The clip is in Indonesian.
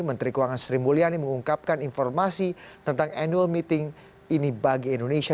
menteri keuangan sri mulyani mengungkapkan informasi tentang annual meeting ini bagi indonesia